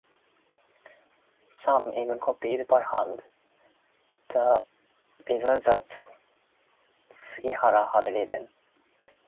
Some even copied, by hand, the visa that Sugihara had written.